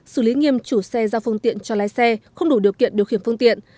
xử lý nghiêm chủ xe giao phương tiện cho lái xe không đủ điều kiện điều khiển phương tiện